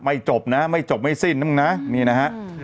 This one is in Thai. จบนะไม่จบไม่สิ้นมึงนะนี่นะฮะ